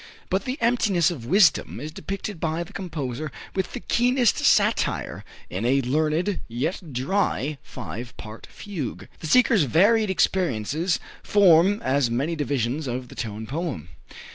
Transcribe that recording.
But the emptiness of "wisdom" is depicted by the composer with the keenest satire in a learned, yet dry, five part fugue. The seeker's varied experiences form as many divisions of the tone poem.